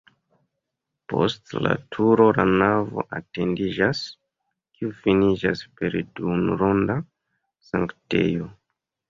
Post la turo la navo etendiĝas, kiu finiĝas per duonronda sanktejo.